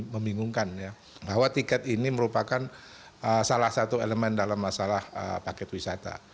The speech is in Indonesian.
membingungkan ya bahwa tiket ini merupakan salah satu elemen dalam masalah paket wisata